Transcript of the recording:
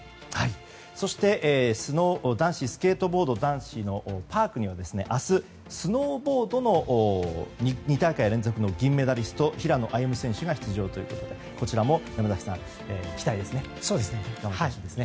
そして、男子スケートボードのパークには、明日スノーボードの２大会連続銀メダリスト平野歩夢選手が出場ということでこちらも山崎さん、期待ですね。